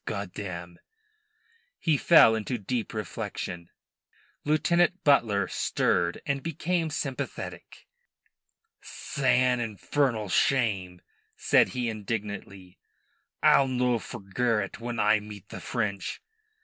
Goddam!" He fell into deep reflection. Lieutenant Butler stirred, and became sympathetic. "'San infern'l shame," said he indignantly. "I'll no forgerrit when I... meet the French."